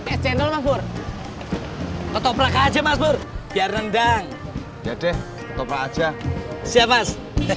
es cendol mas pur potoprak aja mas pur biar rendang jadi potoprak aja siap mas